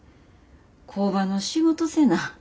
工場の仕事せな。